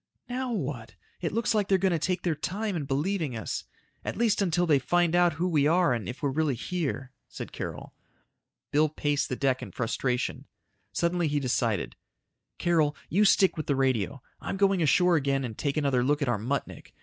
"Now what? It looks like they're going to take their time in believing us. At least until they find out who we are and if we're really here," said Carol. Bill paced the deck in frustration. Suddenly he decided, "Carol, you stick with the radio. I'm going ashore again and take another look at our Muttnik.